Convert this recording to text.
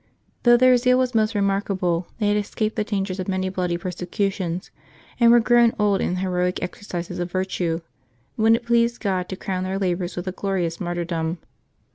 Though their zeal was most remarkable, they had escaped the dangers of many bloody persecutions, and were grown old in the heroic exercises of virtue, when it pleased God to crown their labors with a glorious martyrdom.